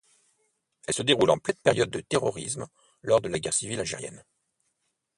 Elle se déroule en pleine période de terrorisme lors de la guerre civile algérienne.